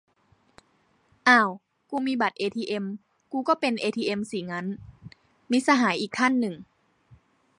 "อ้าว กูมีบัตรเอทีเอ็มกูก็เป็นเอทีเอ็มสิงั้น ?" - มิตรสหายอีกท่านหนึ่ง